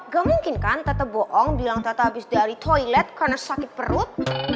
gak mungkin kan tetep bohong bilang tetap habis dari toilet karena sakit perut